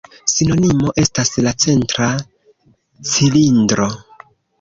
Sinonimo estas la „centra cilindro“.